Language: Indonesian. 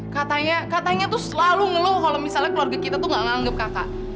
katanya katanya tuh selalu ngeluh kalau misalnya keluarga kita tuh gak nganggap kakak